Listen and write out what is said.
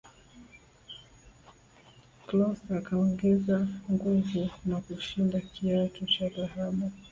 klose akaongeza nguvu na kushinda kiatu cha dhahabu